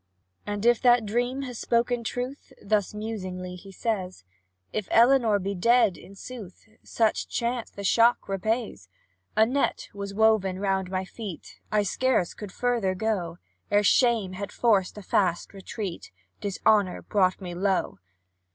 "And if that dream has spoken truth," Thus musingly he says; "If Elinor be dead, in sooth, Such chance the shock repays: A net was woven round my feet, I scarce could further go; Ere shame had forced a fast retreat, Dishonour brought me low.